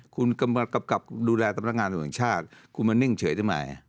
คุณก็มากลับดูแลตำรงานส่วนของชาติคุณมานิ่งเฉยทำไม